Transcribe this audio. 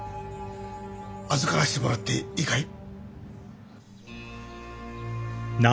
預からしてもらっていいかい？